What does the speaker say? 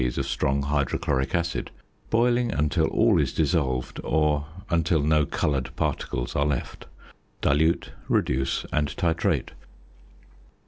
of strong hydrochloric acid, boiling until all is dissolved, or until no coloured particles are left. Dilute, reduce, and titrate.